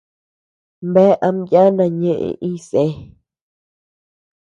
Bea ama yana ñeʼe iñsé.